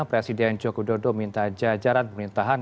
presiden joko dodo minta jajaran pemerintahan